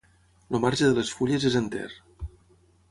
El marge de les fulles és enter.